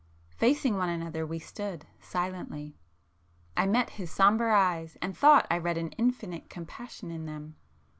Facing one another we stood, silently,—I met his sombre eyes and thought I read an infinite compassion in them!